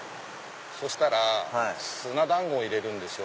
そしたら砂団子を入れるんです。